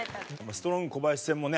ストロング小林戦もね